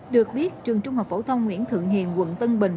được biết trường trung học phổ thông nguyễn thượng hiền quận tân bình